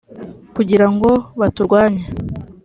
kugira ngo baturwanye.